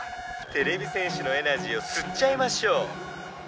てれび戦士のエナジーをすっちゃいましょう」。